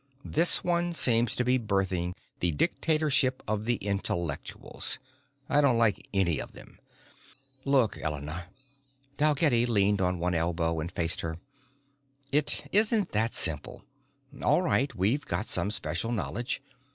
This one seems to be birthing the dictatorship of the intellectuals. I don't like any of them!" "Look, Elena." Dalgetty leaned on one elbow and faced her. "It isn't that simple. All right, we've got some special knowledge.